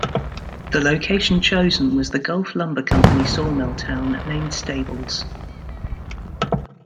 The location chosen was the Gulf Lumber Company sawmill town named Stables.